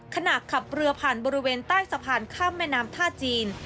ขับเรือผ่านบริเวณใต้สะพานข้ามแม่น้ำท่าจีน